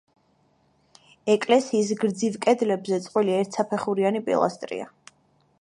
ეკლესიის გრძივ კედლებზე წყვილი ერთსაფეხურიანი პილასტრია.